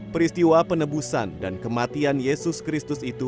peristiwa penebusan dan kematian yesus kristus itu